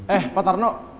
eh pak tarno